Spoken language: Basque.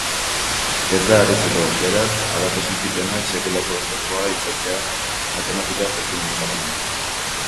Ez da harritzekoa, beraz, halako sentipenak sekulako oztopoa izatea matematika-jakintzarako.